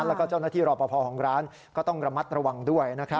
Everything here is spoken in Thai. แล้วก็เจ้าหน้าที่รอปภของร้านก็ต้องระมัดระวังด้วย